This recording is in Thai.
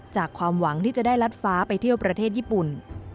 ความหวังที่จะได้ลัดฟ้าไปเที่ยวประเทศญี่ปุ่น